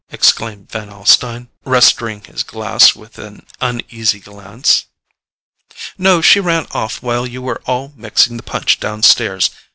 exclaimed Van Alstyne, restoring his glass with an uneasy glance. "No; she ran off while you were all mixing the punch down stairs.